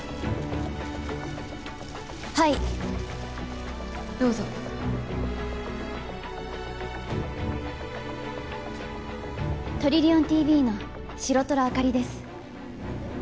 はいどうぞトリリオンＴＶの白虎あかりです